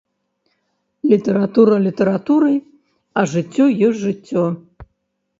Літаратура літаратурай, а жыццё ёсць жыццё.